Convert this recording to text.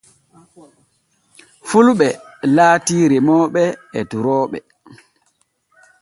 Fulɓe laati remooɓe e durooɓe.